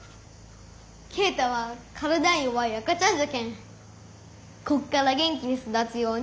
慶太は体ん弱い赤ちゃんじゃけんこっから元気に育つようにって。